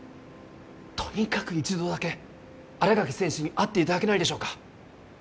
とにかく一度だけ新垣選手に会っていただけないでしょうか？